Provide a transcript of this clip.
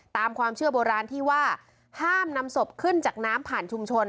ตามความเชื่อโบราณที่ว่าห้ามนำศพขึ้นจากน้ำผ่านชุมชน